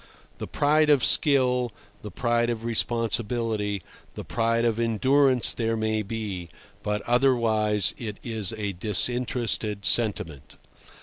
The pride of skill, the pride of responsibility, the pride of endurance there may be, but otherwise it is a disinterested sentiment.